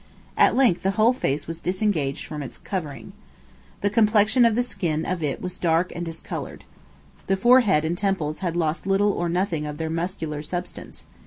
At length the whole face was disengaged from its covering. The complexion of the skin of it was dark and discolored. The forehead and temples had lost little or nothing of their muscular substance.